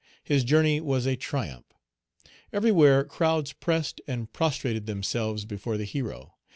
His journey was a triumph. Everywhere crowds pressed and prostrated themselves before the hero.